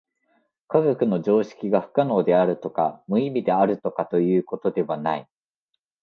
科学の常識化が不可能であるとか無意味であるとかということではない。